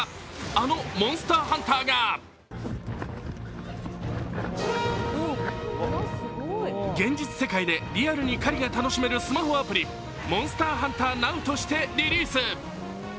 あの「モンスターハンター」が現実世界でリアルに狩りが楽しめるスマホアプリ、「モンスターハンターＮｏｗ」としてリリース。